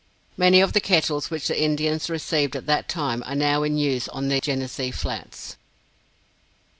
Many of the kettles which the Indians received at that time are now in use on the Genesee Flats.